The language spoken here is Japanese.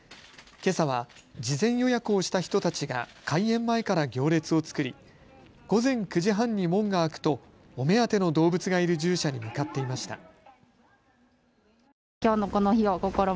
けさは事前予約をした人たちが開園前から行列を作り午前９時半に門が開くとお目当ての動物がいる獣舎に向かっていました。